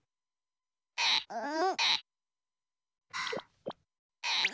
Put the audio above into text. うん！